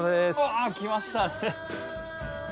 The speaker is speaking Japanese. あ来ましたね。